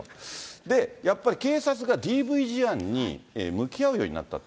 で、やっぱり警察がＤＶ事案に向き合うようになったと。